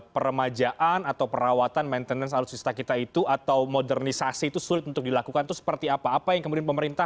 peremajaan atau perawatan maintenance alutsista kita itu atau modernisasi itu sulit untuk dilakukan itu seperti apa apa yang kemudian pemerintah